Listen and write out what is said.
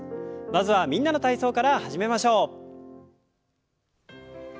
まずは「みんなの体操」から始めましょう。